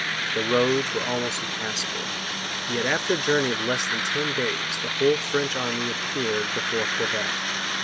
The roads were almost impassable. Yet, after a journey of less than ten days, the whole French army appeared before Quebec.